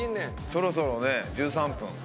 そろそろね１３分。